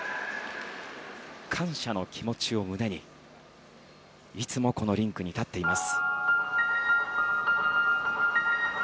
感謝の気持ちを胸にいつも、このリンクに立っています。